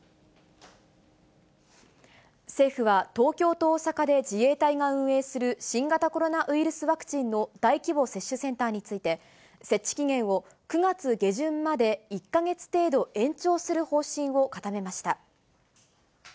政府は、東京と大阪で自衛隊が運営する新型コロナウイルスワクチンの大規模接種センターについて、設置期限を９月下旬まで１か月程度、延長する方針を固めました。